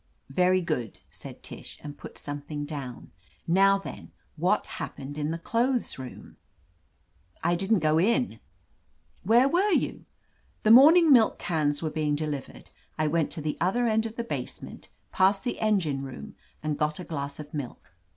"Very good," said Tish, and put something down. "Now then, what happened in the clothes room?" 155 THE AMAZING ADVENTURES "I didn't go in." "Where were you?" "The morning millc cans were being deliv ered. I went to the other end of the basement, past the engine room, and got a glass of milk.